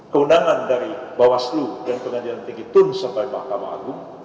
keundangan dari bawaslu dan pengadilan tinggi tun sampai mahkamah agung